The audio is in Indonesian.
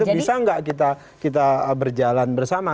bisa nggak kita berjalan bersama